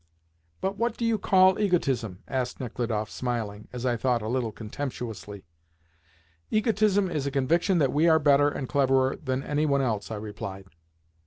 "But what do you call egotism?" asked Nechludoff—smiling, as I thought, a little contemptuously. "Egotism is a conviction that we are better and cleverer than any one else," I replied.